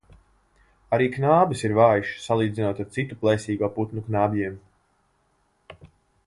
Arī knābis ir vājš, salīdzinot ar citu plēsīgo putnu knābjiem.